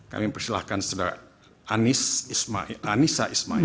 kami persilahkan sederhana anissa ismail